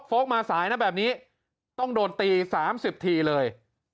โฟล์กมาสายนะแบบนี้ต้องโดนตีสามสิบทีเลย